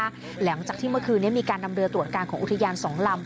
หลังจากที่เมื่อคืนนี้มีการนำเรือตรวจการของอุทยาน๒ลำ